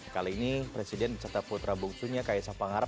kali ini presiden seta putra bungsunya kaisa pangarap